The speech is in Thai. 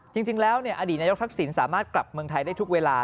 จริงแล้วอดีตนายกทักษิณสามารถกลับเมืองไทยได้ทุกเวลา